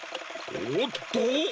おっと！